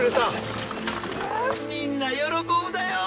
みんな喜ぶだよ！